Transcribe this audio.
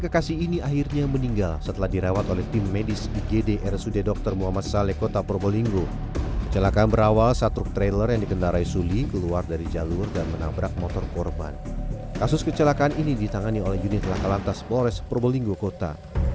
kasus kecelakaan ini ditangani oleh unit lakalantas polres probolinggo kota